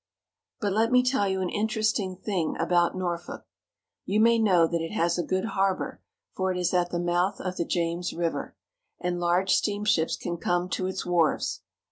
But let me tell you an interesting thing about Norfolk. You may know that it has a good harbor, for it is at the mouth of the James River, and large steamships can come to its wharves.